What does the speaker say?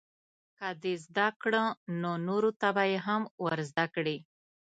که دې زده کړه نو نورو ته به یې هم ورزده کړې.